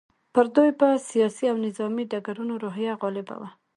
پر دوی په سیاسي او نظامي ډګرونو روحیه غالبه وه.